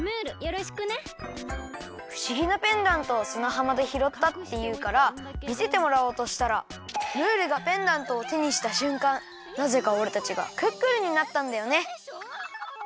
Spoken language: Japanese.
ふしぎなペンダントをすなはまでひろったっていうからみせてもらおうとしたらムールがペンダントをてにしたしゅんかんなぜかおれたちがクックルンになったんだよね。